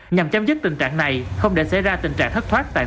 nhằm chấm dứt tình trạng này không để xảy ra tình trạng thất thoát